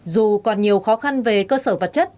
dù còn nhiều khó khăn về cơ sở vật chất